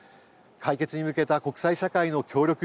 解決に向けた国際社会の協力